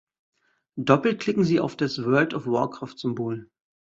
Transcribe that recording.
Doppelklicken Sie auf das World of Warcraft-Symbol.